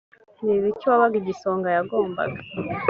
ni ibiki uwabaga igisonga yagombaga